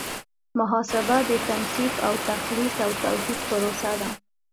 محاسبه د تنصیف او تخلیص او توحید پروسه ده.